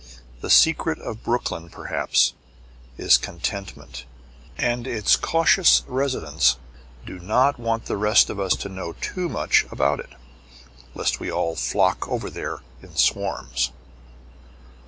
The secret of Brooklyn, perhaps, is contentment, and its cautious residents do not want the rest of us to know too much about it, lest we all flock over there in swarms.